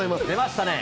出ましたね。